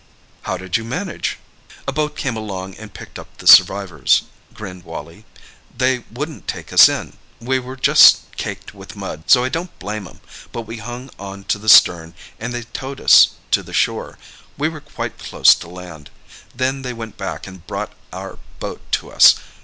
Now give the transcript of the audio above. "How did you manage?" "A boat came along and picked up the survivors," grinned Wally. "They wouldn't take us in. We were just caked with mud, so I don't blame 'em—but we hung on to the stern, and they towed us to the shore. We were quite close to land. Then they went back and brought our boat to us.